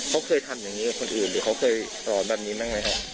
เขาเคยทำอย่างนี้กับคนอื่นหรือเขาเคยสอนแบบนี้บ้างไหมครับ